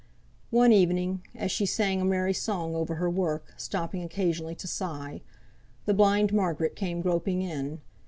One evening, as she sang a merry song over her work, stopping occasionally to sigh, the blind Margaret came groping in.